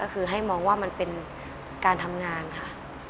ก็คือให้มองว่ามันเป็นการทำงานค่ะ